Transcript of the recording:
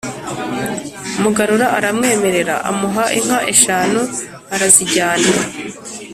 mugarura aramwemerera, amuha inka eshanu, arazijyana.